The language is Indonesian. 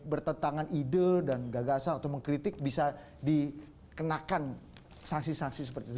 bertentangan ide dan gagasan atau mengkritik bisa dikenakan sanksi sanksi seperti itu